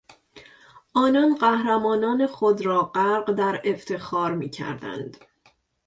آنان قهرمانان خود را غرق در افتخار میکردند.